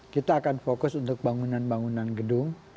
kita akan fokus untuk bangunan bangunan gedung